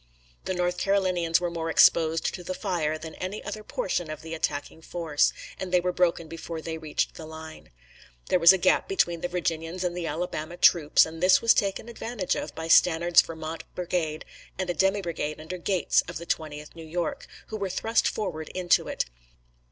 The North Carolinians were more exposed to the fire than any other portion of the attacking force, and they were broken before they reached the line. There was a gap between the Virginians and the Alabama troops, and this was taken advantage of by Stannard's Vermont brigade and a demi brigade under Gates, of the 20th New York, who were thrust forward into it.